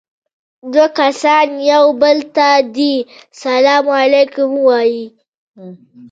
دوه کسان يو بل ته دې سلام عليکم ووايي.